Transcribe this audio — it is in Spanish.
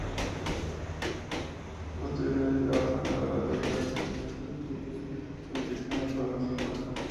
Posteriormente trabajó en la obra teatral "Dr. Jekyll", con dirección de Pablo Silva.